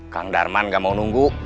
kang darman gak mau nunggu